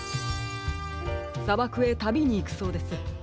さばくへたびにいくそうです。